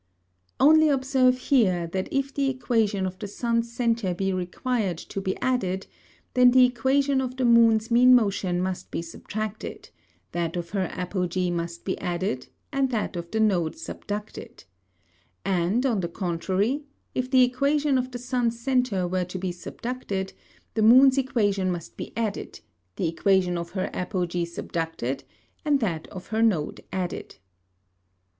Only observe here, That if the Equation of the Sun's Centre be required to be added; then the Equation of the Moon's mean Motion must be subtracted, that of her Apogee must be added, and that of the Node subducted, And on the contrary, if the Equation of the Sun's Centre were to be subducted, the Moon's Equation must be added, the Equation of her Apogee subducted, and that of her Node added.